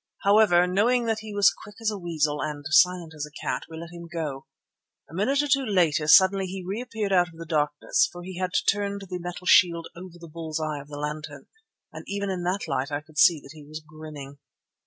However, knowing that he was quick as a weasel and silent as a cat, we let him go. A minute or two later suddenly he reappeared out of the darkness, for he had turned the metal shield over the bull's eye of the lantern, and even in that light I could see that he was grinning.